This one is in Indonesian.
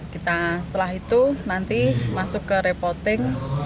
kita setelah itu nanti masuk ke repoting